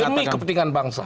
tapi demi kepentingan bangsa